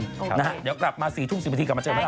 เดี๋ยวกลับมา๔ทุ่ม๑๐นาทีกลับมาเจอกัน